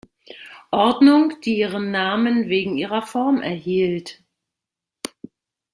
Ordnung, die ihren Namen wegen ihrer Form erhielt.